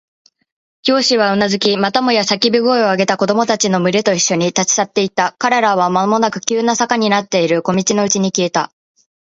教師はうなずき、またもや叫び声を上げ始めた子供たちのむれといっしょに、立ち去っていった。彼らはまもなく急な坂になっている小路のうちに消えた。